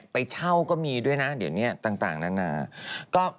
ไปเช่าก็มีด้วยนะเดี๋ยวนี้ต่างนานา